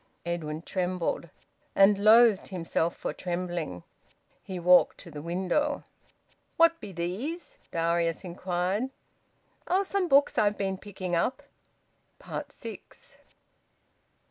Edwin trembled, and loathed himself for trembling. He walked to the window. "What be these?" Darius inquired. "Oh! Some books I've been picking up." SIX.